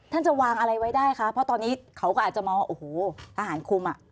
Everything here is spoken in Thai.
จะวางอะไรไว้ได้คะเพราะตอนนี้เขาก็อาจจะมองว่าโอ้โหทหารคุมอ่ะ